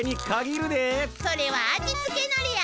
それは味つけのりや。